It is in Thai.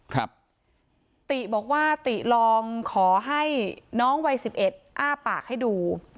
ติบอกว่าติลองขอให้น้องวัยสิบเอ็ดอ้าปากให้ดู